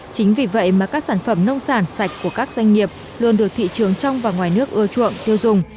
chính vì vậy mà các sản phẩm nông sản sạch của các doanh nghiệp luôn được thị trường trong và ngoài nước ưa chuộng tiêu dùng